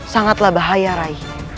sangatlah bahaya rai